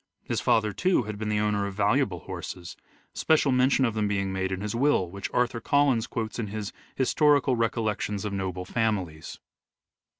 His father, too, had been the owner of valuable horses, special mention of them being made in his will, which Arthur Collins quotes in his " Historical Recollections of Noble Families."